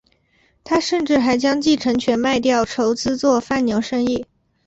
他甚至还将继承权卖掉筹资做贩牛生意。